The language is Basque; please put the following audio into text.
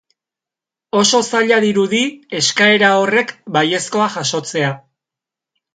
Oso zaila dirudi eskaera horrek baiezkoa jasotzea.